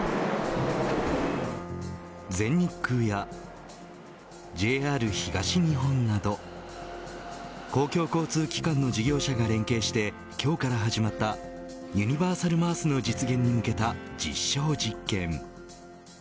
全日空やＪＲ東日本など公共交通機関の事業者が連携して今日から始まったユニバーサルＭａａＳの実現に向けた実証実験。